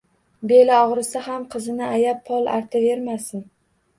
Beli og‘risa ham qizini ayab pol artavermasin.